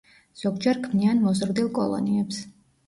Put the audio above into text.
ზოგჯერ ქმნიან მოზრდილ კოლონიებს.